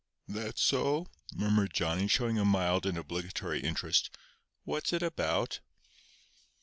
"That so?" murmured Johnny showing a mild and obligatory interest. "What's it about?"